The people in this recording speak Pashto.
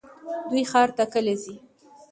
دوی ښار ته کله ځي؟